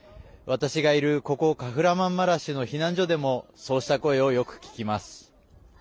私がいる、ここカフラマンマラシュの避難所でもそうした声をよく聞きます。